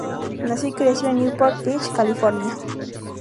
Nació y se crió en Newport Beach, California.